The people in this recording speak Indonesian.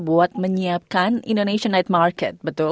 buat menyiapkan indonesian night market betul